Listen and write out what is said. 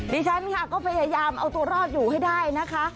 ดิฉันค่ะก็พยายามเอาตัวรอดอยู่ให้ได้นะคะ